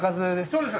そうです。